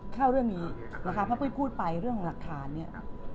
เข้าเรื่องนี้นะคะเพราะปุ้ยพูดไปเรื่องของหลักฐานเนี่ย